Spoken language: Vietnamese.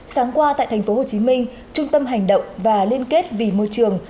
sáng qua tại tp hcm trung tâm hành động và liên kết vì môi trường